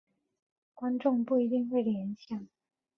观众不一定会联想。